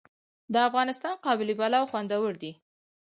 د افغانستان قابلي پلاو خوندور دی